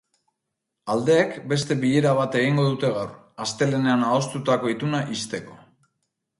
Aldeek beste bilera bat egingo dute gaur, astelehenean adostutako ituna ixteko.